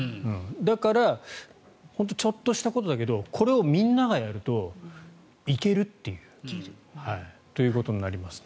だから、ちょっとしたことだけどこれをみんながやると行けるということになります。